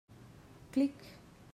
Clic!